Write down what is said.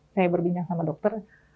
saya berbincang sama dokter